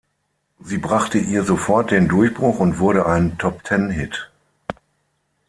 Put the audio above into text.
Sie brachte ihr sofort den Durchbruch und wurde ein Top-Ten-Hit.